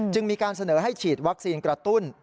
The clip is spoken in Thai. จึงมีการเสนอให้ฉีดวัคซีนกระตุ้น